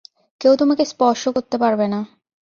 কেউ তোমাকে স্পর্শ করতে পারবে না।